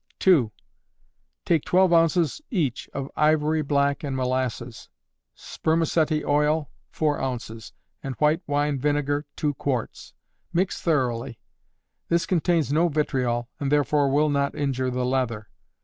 2. Take twelve ounces each of ivory black and molasses; spermaceti oil, four ounces; and white wine vinegar, two quarts. Mix thoroughly. This contains no vitriol, and therefore will not injure the leather.